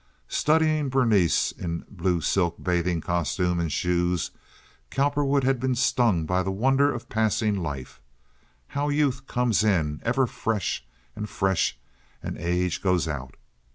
Studying Berenice in blue silk bathing costume and shoes, Cowperwood had been stung by the wonder of passing life—how youth comes in, ever fresh and fresh, and age goes out.